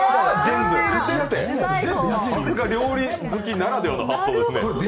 さすが料理好きならではの発想ですね。